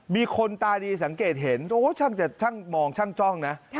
มีคนตาดีสังเกตเห็นโอ้ยช่างจะช่างมองน่ะ